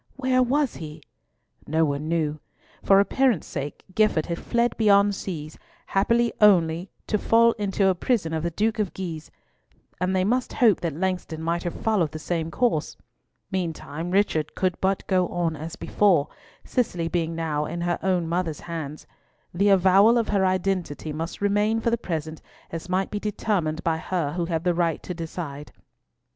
Where was he? No one knew. For appearance sake, Gifford had fled beyond seas, happily only to fall into a prison of the Duke of Guise: and they must hope that Langston might have followed the same course. Meantime, Richard could but go on as before, Cicely being now in her own mother's hands. The avowal of her identity must remain for the present as might be determined by her who had the right to decide.